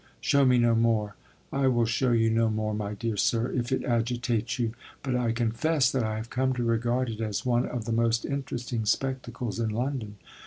Show me no more. I will show you no more, my dear sir, if it agitates you; but I confess that I have come to regard it as one of the most interesting spectacles in London.